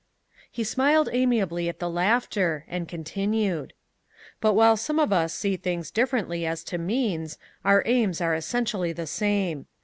He smiled amiably at the laughter, and continued: "But while some of us see things differently as to means, our aims are essentially the same.